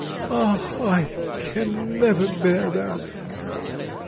Ah, I can never bear that!